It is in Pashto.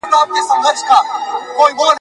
د ښکاریانو له دامونو غورځېدلی `